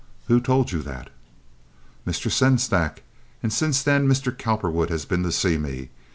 "Who told you that?" "Mr. Sengstack, and since then Mr. Cowperwood has been to see me.